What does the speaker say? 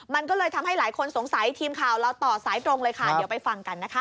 มันก็เลยทำให้หลายคนสงสัยทีมข่าวเราต่อสายตรงเลยค่ะเดี๋ยวไปฟังกันนะคะ